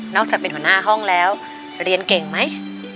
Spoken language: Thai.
จากเป็นหัวหน้าห้องแล้วเรียนเก่งไหม